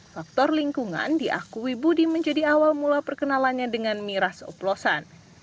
faktor lingkungan diakui budi menjadi awal mula perkenalannya dengan miras oplosan